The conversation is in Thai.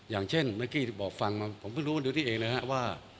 อย่างเช่นเมื่อกี้บอกฟังมาผมเพิ่งรู้อยู่ที่เองเลยฮะว่า